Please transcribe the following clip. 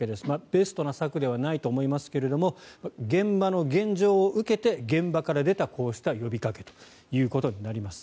ベストな策ではないとは思いますが現場の現状を受けて現場から出たこうした呼びかけということになります。